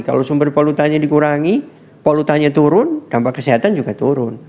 kalau sumber polutannya dikurangi polutannya turun dampak kesehatan juga turun